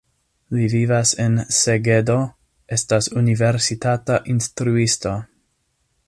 Li vivas en Segedo, estas universitata instruisto.